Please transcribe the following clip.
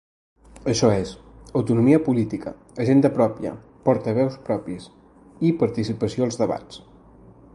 Això és: “autonomia política, agenda pròpia, portaveus propis, i participació als debats”.